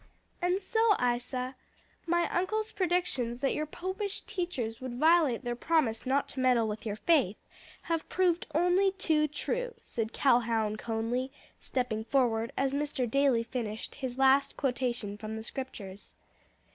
"And so, Isa, my uncle's predictions that your popish teachers would violate their promise not to meddle with your faith, have proved only too true," said Calhoun Conly, stepping forward, as Mr. Daly finished his last quotation from the Scriptures.